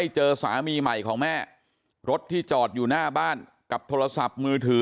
เจอสามีใหม่ของแม่รถที่จอดอยู่หน้าบ้านกับโทรศัพท์มือถือ